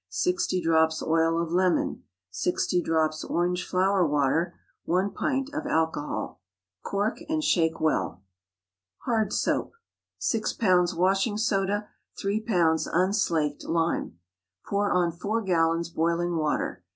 60 drops oil of lemon. 60 drops orange flower water. 1 pint of alcohol. Cork and shake well. HARD SOAP. 6 lbs. washing soda. 3 lbs. unslaked lime. Pour on 4 gallons boiling water.